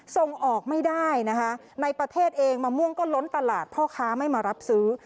ส่งออกไม่ได้นะคะในประเทศเองมะม่วงก็ล้นตลาดพ่อค้าไม่มารับซื้อ